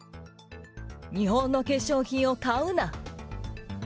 日本の化粧品を買うな。